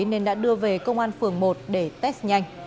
nên đã đưa về công an phường một để test nhanh